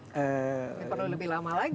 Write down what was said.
ini perlu lebih lama lagi ya kan